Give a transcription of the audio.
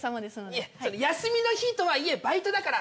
いや休みの日とはいえバイトだから。